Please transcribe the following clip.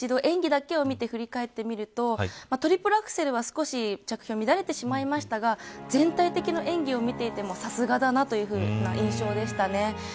いろんなことを置いておいて一度、演技だけを見て振り返るとトリプルアクセルは少し着氷が乱れましたが全体的な演技を見ていてもさすがだなというふうな印象でしたね。